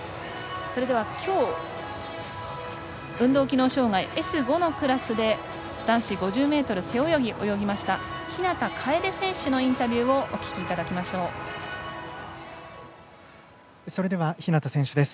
それでは今日、運動機能障がいＳ５のクラスで男子５０ｍ背泳ぎを泳ぎました日向楓選手のインタビューです。